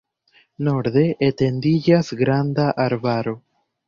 Norde etendiĝas granda arbaro.